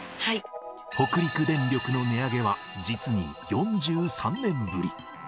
北陸電力の値上げは、実に４３年ぶり。